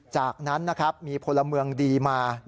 จากนั้นนะครับมีพลเมืองดีมา